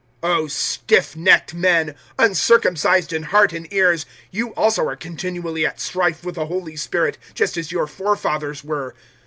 007:051 "O stiff necked men, uncircumcised in heart and ears, you also are continually at strife with the Holy Spirit just as your forefathers were.